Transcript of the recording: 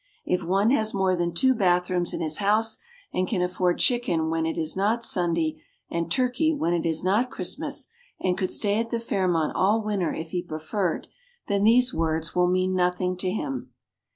If one has more than two bathrooms in his home and can afford chicken when it is not Sunday and turkey when it is not Christmas and could stay at the Fairmont all winter if he preferred, then these words will mean nothing to him.